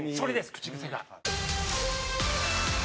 口癖が。